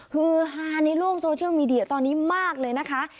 ฮือฮาในโลกโซเชียลมีเดียตอนนี้มากเลยนะคะ